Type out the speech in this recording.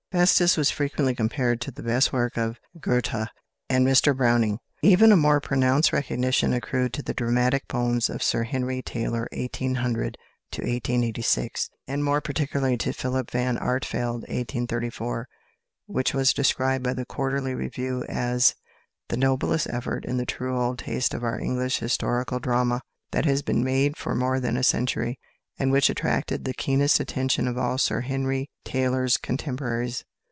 "Festus" was frequently compared to the best work of Goethe and of Mr Browning. Even a more pronounced recognition accrued to the dramatic poems of =Sir Henry Taylor (1800 1886)=, and more particularly to "Philip Van Artevelde" (1834), which was described by the Quarterly Review as "the noblest effort in the true old taste of our English historical drama, that has been made for more than a century," and which attracted the keenest attention of all Sir Henry Taylor's contemporaries.